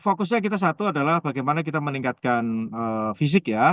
fokusnya kita satu adalah bagaimana kita meningkatkan fisik ya